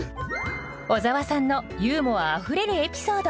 小沢さんのユーモアあふれるエピソード。